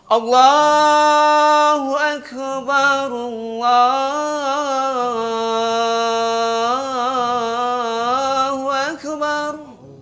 allahu akbar allahu akbar